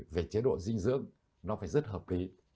về chế độ dinh dưỡng nó phải rất hợp lý